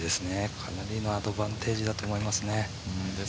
かなりのアドバンテージだと思いますね。